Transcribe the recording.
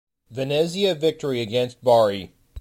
Venezia victory against Bari.